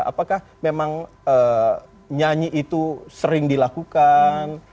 apakah memang nyanyi itu sering dilakukan